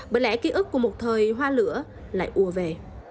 bởi lẽ ký ức của một thời hoa lửa lại ùa về